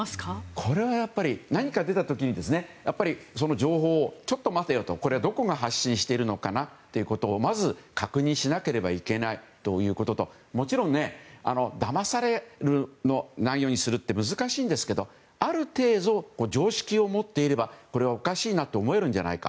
これはやっぱり何か出た時にその情報をちょっと待てよとどこが発信してるのかなとまず確認しなければいけないということともちろん、だまされる内容にするのは難しいんですけどある程度、常識を持っていればこれはおかしいなと思えるんじゃないか。